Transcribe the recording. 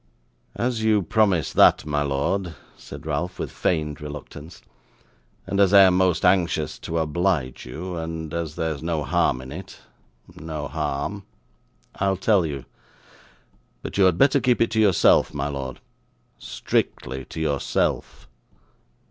'As you promise that, my lord,' said Ralph, with feigned reluctance, 'and as I am most anxious to oblige you, and as there's no harm in it no harm I'll tell you. But you had better keep it to yourself, my lord; strictly to yourself.